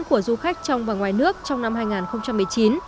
của du khách trong và ngoài nước trong năm hai nghìn một mươi chín